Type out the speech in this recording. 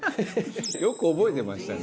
よく覚えてましたね。